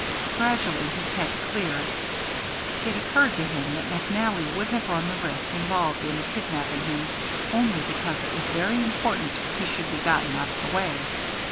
Gradually his head cleared. It occurred to him that McNally would have run the risk involved in kidnapping him only because it was very important he should be gotten out of the way.